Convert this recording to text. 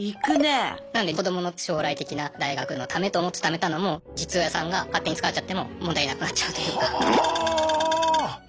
なので子どもの将来的な大学のためと思って貯めたのも実親さんが勝手に使っちゃっても問題なくなっちゃうというか。